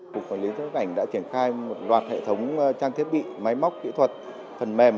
cục quản lý xuất cảnh đã triển khai một loạt hệ thống trang thiết bị máy móc kỹ thuật phần mềm